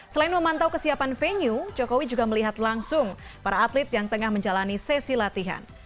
selain memantau kesiapan venue jokowi juga melihat langsung para atlet yang tengah menjalani sesi latihan